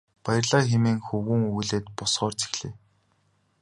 Баярлалаа хэмээн хөвгүүн өгүүлээд босохоор зэхлээ.